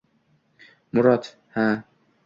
Murod: Ha!